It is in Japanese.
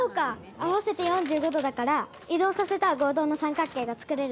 合わせて４５度だから移動させたら合同な三角形がつくれるんだ。